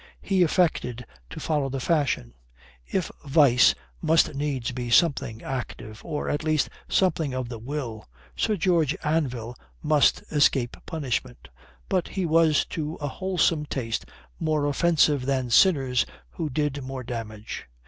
He affected to follow the fashion. If vice must needs be something active, or at least, something of the will, Sir George Anville must escape punishment. But he was to a wholesome taste more offensive than sinners who did more damage.